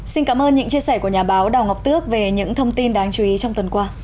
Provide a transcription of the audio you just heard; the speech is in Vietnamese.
xin cảm ơn những chia sẻ của nhà báo đào ngọc tước về những thông tin đáng chú ý trong tuần qua